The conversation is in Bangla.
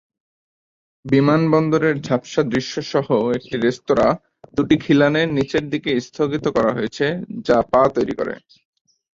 বিমানবন্দরের ঝাপসা দৃশ্য সহ একটি রেস্তোরাঁ দুটি খিলানের নীচের দিকে স্থগিত করা হয়েছে, যা পা তৈরি করে।